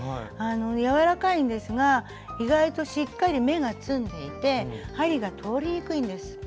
柔らかいんですが意外としっかり目がつんでいて針が通りにくいんです。